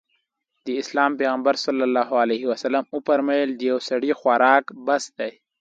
د اسلام پيغمبر ص وفرمايل د يوه سړي خوراک بس دی.